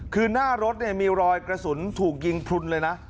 คือหน้ารถมีรอยกระสุนถูกยิงพลุนเลยนะ